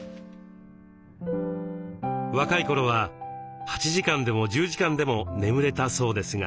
若い頃は８時間でも１０時間でも眠れたそうですが。